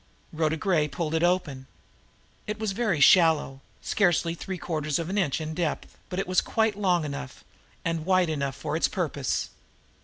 Rhoda Gray pulled it open. It was very shallow, scarcely three quarters of an inch in depth, but it was quite long enough, and quite wide enough for its purpose!